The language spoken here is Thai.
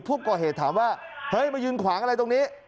ผู้ก่อเหตุถามว่าเฮ้ยมายืนขวางอะไรตรงนี้